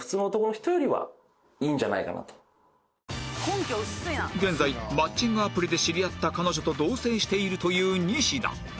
今現在マッチングアプリで知り合った彼女と同棲しているというニシダ